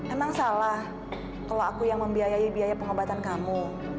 emang salah kalau aku yang membiayai biaya pengobatan kamu